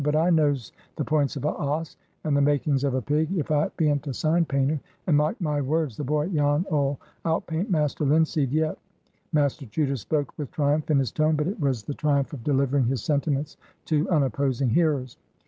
"But I knows the points of a oss, and the makings of a pig, if I bean't a sign painter. And, mark my words, the boy Jan 'ull out paint Master Linseed yet." Master Chuter spoke with triumph in his tone, but it was the triumph of delivering his sentiments to unopposing hearers.